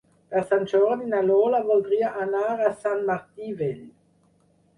Per Sant Jordi na Lola voldria anar a Sant Martí Vell.